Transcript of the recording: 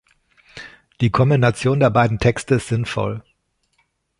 Die Kombination der beiden Texte ist sinnvoll.